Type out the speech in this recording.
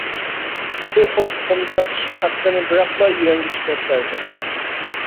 شۇ خۇشلۇقۇمدا ئىش ھەققىنى بىراقلا يۈەنگە چىقىرىپ بەردىم.